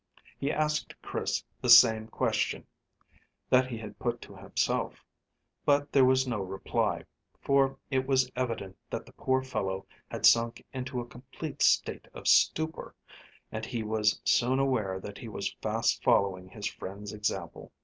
He asked Chris the same question that he had put to himself, but there was no reply, for it was evident that the poor fellow had sunk into a complete state of stupor, and he was soon aware that he was fast following his friend's example.